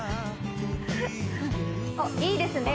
おっいいですね